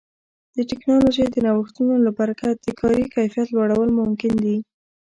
د ټکنالوژۍ د نوښتونو له برکت د کاري کیفیت لوړول ممکن دي.